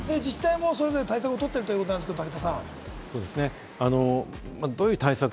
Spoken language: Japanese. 自治体もそれぞれの対策をとっているということですけれども。